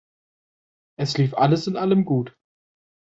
Es lief alles in allem gut.